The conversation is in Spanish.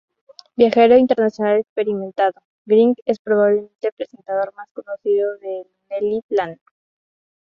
Viajero internacional experimentado, Wright es probablemente el presentador más conocido de "Lonely Planet".